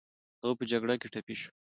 هغه په جګړه کې ټپي شو